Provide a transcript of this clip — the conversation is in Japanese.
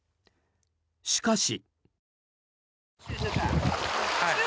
しかし。